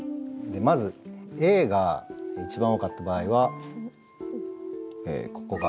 まずＡが１番多かった場合はここが。